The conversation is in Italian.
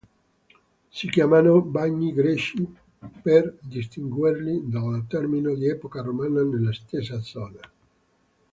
Si chiamano Bagni greci per distinguerli dalle terme di epoca romana nella stessa zona.